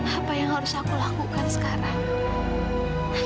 apa yang harus aku lakukan sekarang